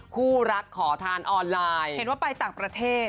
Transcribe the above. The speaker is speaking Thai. คู่รักขอทานออนไลน์เห็นว่าไปต่างประเทศ